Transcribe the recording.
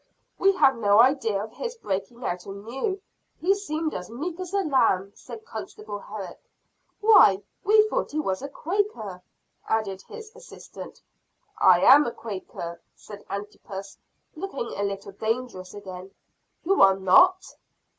"We had no idea of his breaking out anew, he seemed as meek as a lamb," said constable Herrick. "Why, we thought he was a Quaker!" added his assistant. "I am a Quaker!" said Antipas, looking a little dangerous again. "You are not."